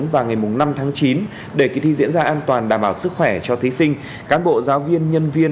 vào ngày năm tháng chín để kỳ thi diễn ra an toàn đảm bảo sức khỏe cho thí sinh cán bộ giáo viên nhân viên